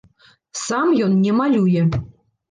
Сам ён не малюе.